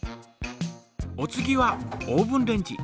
お次はオーブンレンジ。